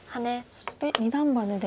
そして二段バネで。